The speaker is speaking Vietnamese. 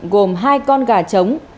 gồm hai con gà trống